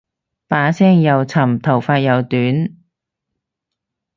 把聲又沉頭髮又短